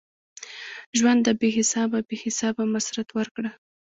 ژونده بی حسابه ؛ بی حسابه مسرت ورکړه